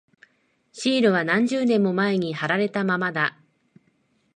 シールは何十年も前に貼られたままだ。